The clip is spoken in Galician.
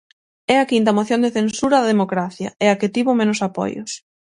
É a quinta moción de censura da democracia e a que tivo menos apoios.